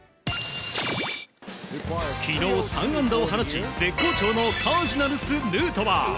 昨日、３安打を放ち絶好調のカージナルス、ヌートバー。